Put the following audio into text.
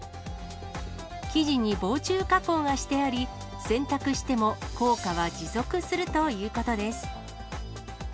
生地に防虫加工がしてあり、洗濯しても効果は持続するということです。